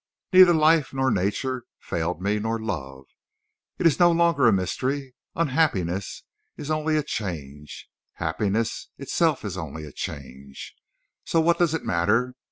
Neither life nor nature failed me—nor love. It is no longer a mystery. Unhappiness is only a change. Happiness itself is only change. So what does it matter?